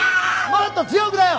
もっと強くだよ！